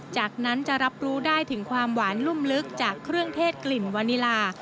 จากนั้นจะรับรู้ได้ถึงความหวานลุ่มลึกจากเครื่องเทศกลิ่นวานิลา